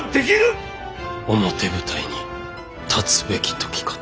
表舞台に立つべき時かと。